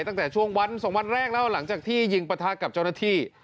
ตั้งแต่ช่วงวันสองวันแรกแล้วหลังจากที่ยิงประทะกับเจ้าหน้าที่